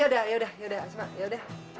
ya ya yaudah asma